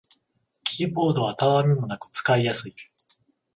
キーボードはたわみもなく使いやすい